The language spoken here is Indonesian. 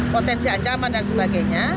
potensi ancaman dan sebagainya